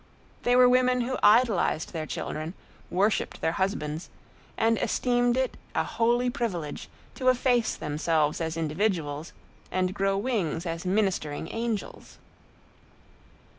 They were women who idolized their children, worshiped their husbands, and esteemed it a holy privilege to efface themselves as individuals and grow wings as ministering angels.